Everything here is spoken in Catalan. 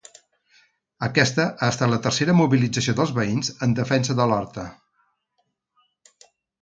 Aquesta ha estat la tercera mobilització dels veïns en defensa de l’horta.